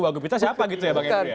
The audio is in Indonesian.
bagus kita siapa gitu ya bang henry ya